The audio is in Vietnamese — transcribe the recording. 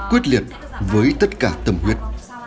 quyết liệt với tất cả tầm huyết